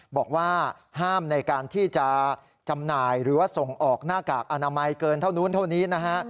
บอกว่าห้ามในการที่จะจำหน่ายหรือว่าส่งออกหน้ากากอนามัยเกินเท่านู้นเท่านี้นะฮะ